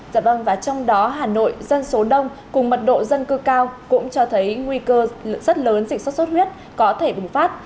dạ vâng và trong đó hà nội dân số đông cùng mật độ dân cư cao cũng cho thấy nguy cơ rất lớn dịch sốt xuất huyết có thể bùng phát